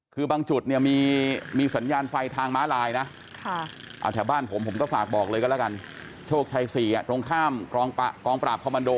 คือบางจุดเนี่ยมีสัญญาณไฟทางม้าลายนะ